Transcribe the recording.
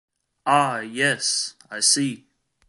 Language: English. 'Ah, yes, I see!